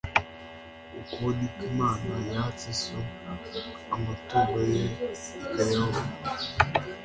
Uko ni ko Imana yatse so amatungo ye ikayampa